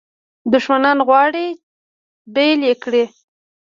دښمنان غواړي بیل یې کړي.